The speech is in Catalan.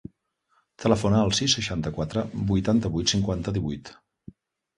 Telefona al sis, seixanta-quatre, vuitanta-vuit, cinquanta, divuit.